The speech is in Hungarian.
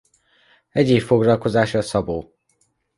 Egyéb foglalkozása szabó.